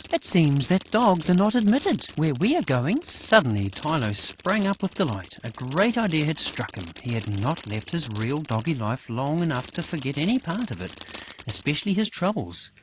"It seems that dogs are not admitted where we are going." Suddenly, Tylô sprang up with delight: a great idea had struck him. He had not left his real, doggy life long enough to forget any part of it, especially his troubles.